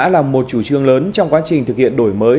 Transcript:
là một chủ trương lớn trong quá trình thực hiện đổi mới